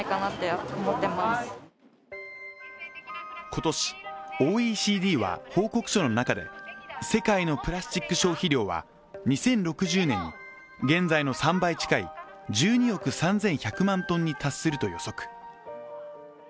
今年、ＯＥＣＤは報告書の中で世界のプラスチック消費量は２０６０年に現在の３倍近い１２億３１００万トンに達すると予測。